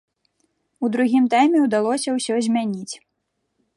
У другім тайме ўдалося ўсё змяніць.